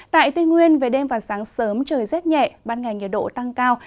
tại tây nguyên về đêm và sáng sớm trời rét nhẹ ban ngày nhiệt độ tăng cao